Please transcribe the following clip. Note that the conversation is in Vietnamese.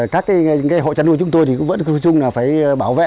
các hộ chăn nuôi chúng tôi vẫn phải bảo vệ